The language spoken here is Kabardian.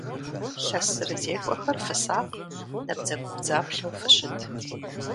ЛъэсырызекӀуэхэр фысакъ, набдзэгубдзаплъэу фыщыт!